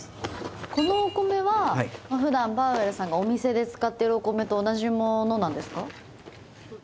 このお米は普段パウエルさんがお店で使ってるお米と同じものなんですか？